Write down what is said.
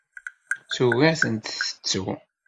Tugi ad tent-tettu.